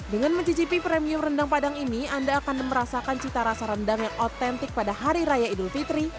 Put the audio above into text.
dengan mencicipi premium rendang padang ini anda akan merasakan cita rasa rendang yang otentik pada hari raya idul fitri